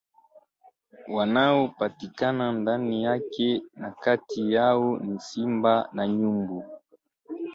Wanaopatikana ndani yake na kati yao ni Simba na Nyumbu